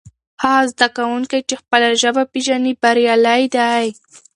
هغه زده کوونکی چې خپله ژبه پېژني بریالی دی.